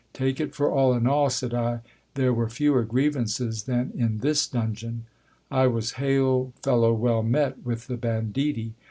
Take it for all in all, said I, there were fewer grievances than in this dungeon. I was hail fellow well met with the banditti